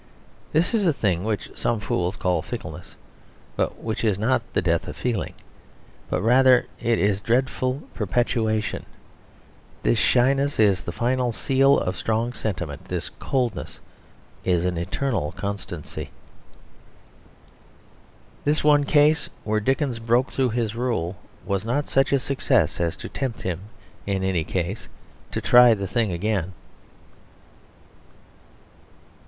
This is the thing which some fools call fickleness; but which is not the death of feeling, but rather its dreadful perpetuation; this shyness is the final seal of strong sentiment; this coldness is an eternal constancy. This one case where Dickens broke through his rule was not such a success as to tempt him in any case to try the thing again.